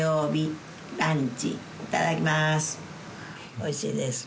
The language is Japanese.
おいしいです。